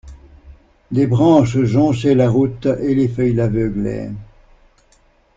Des branches jonchaient la route et les feuilles l’aveuglaient.